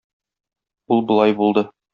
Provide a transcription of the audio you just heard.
Ул болай булды.